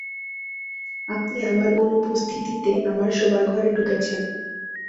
আপনি আমার অনুপস্থিতিতে আমার শোবার ঘরে ঢুকেছেন।